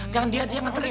jangan dia dia nganterin